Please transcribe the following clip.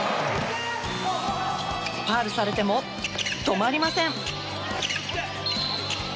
ファウルされても止まりません！